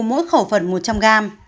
mỗi khẩu phần một trăm linh g